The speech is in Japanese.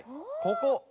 ここ！